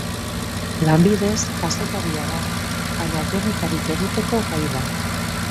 Lanbidez kazetaria da, baina denetarik egiteko gai da.